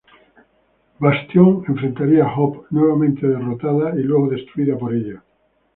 Bastion enfrentaría a Hope, nuevamente derrotada, y luego destruida por ella.